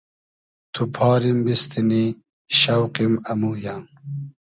تو پاریم بیستینی شۆقیم امویۂ